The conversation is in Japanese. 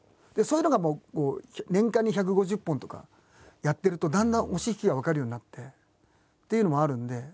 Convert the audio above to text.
そういうのが年間に１５０本とかやってるとだんだん押し引きが分かるようになってっていうのもあるんで。